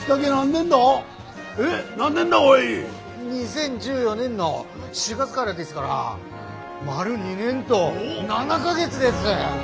２０１４年の４月がらですから丸２年ど７か月です！